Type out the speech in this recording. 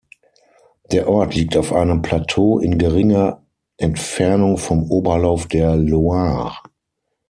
Der Ort liegt auf einem Plateau in geringer Entfernung vom Oberlauf der Loire.